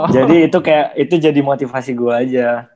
jadi itu kayak itu jadi motivasi gue aja